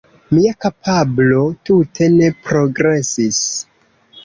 Mia kapablo tute ne progresis